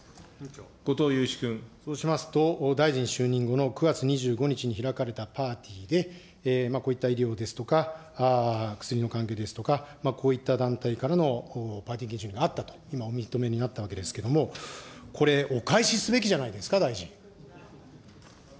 そうしますと、大臣就任後の９月２５日に開かれたパーティーで、こういった医療ですとか、薬の関係ですとか、こういった団体からのパーティー券収入があったと今、お認めになったわけですけれども、これ、お返しすべきじゃないですか、大臣。